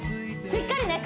しっかりね